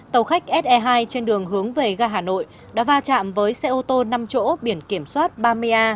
tàu khách se hai trên đường hướng về gà hà nội đã va chạm với xe ô tô năm chỗ biển kiểm soát ba mươi a sáu mươi nghìn hai trăm hai mươi năm